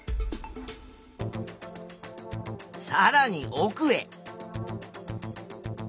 さらに奥へ。